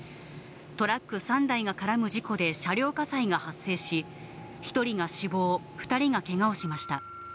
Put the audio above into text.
トラック３台が絡む事故で、車両火災が発生し、１人が死亡、２人がけがをしました。